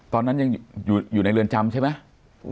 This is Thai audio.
ตอนนั้นยังอยู่ในเรือนจำใช่ไหม